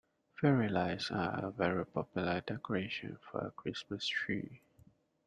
Fairy lights are a very popular decoration for a Christmas tree